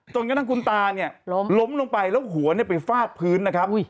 จนกระทั่งคุณตาเนี่ยล้มลงไปแล้วหัวไปฟาดพื้นนะครับ